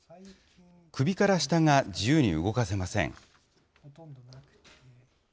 首から下が自由に動かせません。